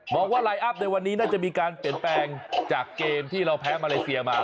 ว่าลายอัพในวันนี้น่าจะมีการเปลี่ยนแปลงจากเกมที่เราแพ้มาเลเซียมา